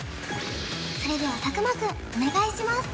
それでは佐久間くんお願いします